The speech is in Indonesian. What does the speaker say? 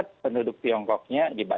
sedangkan untuk tiongkok untuk wnbi masih bisa